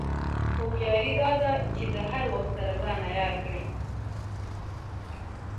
هوښیاري دا ده چې د هر وخت سره ځان عیار کړې.